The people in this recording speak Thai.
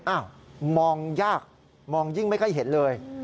อ้าวมองยากมองยิ่งไม่ค่อยเห็นเลย